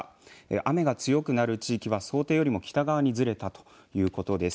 雨が強くなる地域は想定よりも北側にずれたということです。